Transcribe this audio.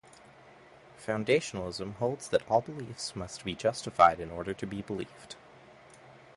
Foundationalism holds that all beliefs must be justified in order to be believed.